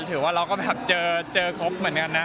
ถือว่าเราก็แบบเจอครบเหมือนกันนะ